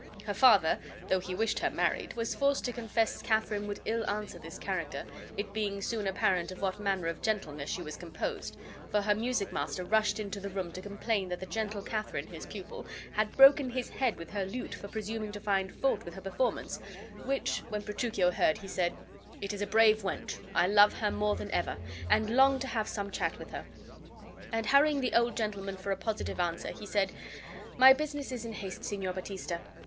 Her father, though he wished her married, was forced to confess Katharine would ill answer this character, it being soon apparent of what manner of gentleness she was composed, for her music master rushed into the room to complain that the gentle Katharine, his pupil, had broken his head with her lute for presuming to find fault with her performance; which, when Petruchio heard, he said: "It is a brave wench. I love her more than ever, and long to have some chat with her." And hurrying the old gentleman for a positive answer, he said: "My business is in haste, Signor Baptista.